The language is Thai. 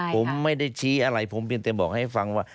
ผมไม่ได้ชี้อะไรผมเพียงแต่บอกให้ฟังว่า